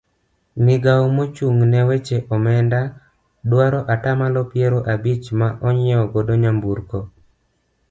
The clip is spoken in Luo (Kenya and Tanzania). Migawo mochung' ne weche onenda dwaro atamalo piero abich ma onyiew godo nyamburko.